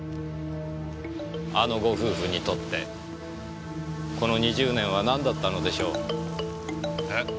あのご夫婦にとってこの２０年は何だったのでしょう？え？